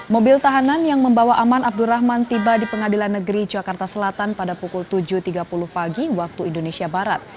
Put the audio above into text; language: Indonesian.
mobil tahanan yang membawa aman abdurrahman tiba di pengadilan negeri jakarta selatan pada pukul tujuh tiga puluh pagi waktu indonesia barat